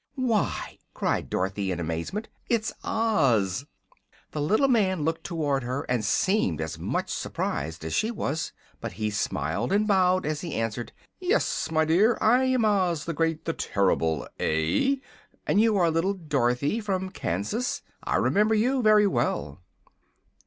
"Why," cried Dorothy, in amazement, "it's Oz!" The little man looked toward her and seemed as much surprised as she was. But he smiled and bowed as he answered: "Yes, my dear; I am Oz, the Great and Terrible. Eh? And you are little Dorothy, from Kansas. I remember you very well."